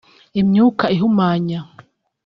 imyuka ihumanya)